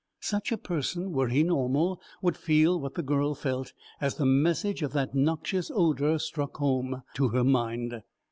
Such a person, were he normal, would feel what the girl felt as the message of that noxious odour struck home to her mind.